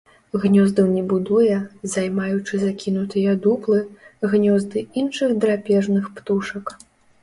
Гнёздаў не будуе, займаючы закінутыя дуплы, гнёзды іншых драпежных птушак.